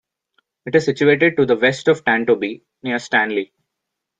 It is situated to the west of Tantobie, near Stanley.